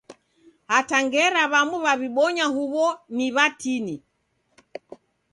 Hata ngera w'amu w'aw'ibonya huw'o ni w'atini.